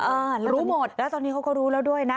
รู้หมดแล้วตอนนี้เขาก็รู้แล้วด้วยนะ